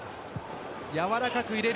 やわらかく入れる。